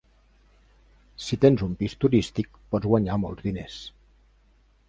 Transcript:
Si tens un pis turístic, pots guanyar molts diners.